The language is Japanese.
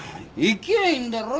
行きゃあいいんだろ？